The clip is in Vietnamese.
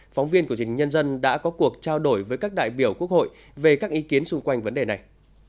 phóng viên của chính nhân dân đã có cuộc trao đổi với các đại biểu quốc hội về các ý kiến xung quanh vấn đề này